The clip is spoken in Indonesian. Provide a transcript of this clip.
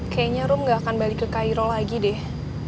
kayaknya rum gak akan balik ke cairo lagi deh